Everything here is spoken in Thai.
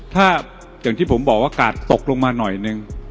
ถ้าอย่างที่ผมบอกว่ากาดตกลงมาหน่อยนึง